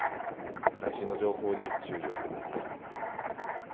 最新の情報に注意をしてください。